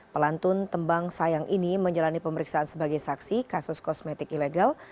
pelantun tembang sayang ini menjalani pemeriksaan sebagai saksi kasus kosmetik ilegal